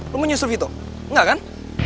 lu mau nyusup gitu enggak kan